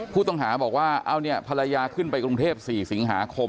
ผู้ต้องหาบอกว่าเอาเนี่ยภรรยาขึ้นไปกรุงเทพ๔สิงหาคม